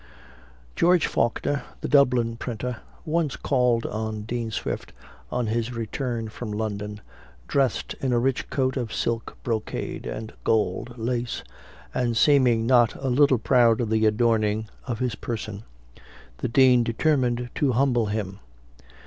George Faulkner, the Dublin printer, once called on Dean Swift on his return from London, dressed in a rich coat of silk brocade and gold lace, and seeming not a little proud of the adorning of his person: the Dean determined to humble him.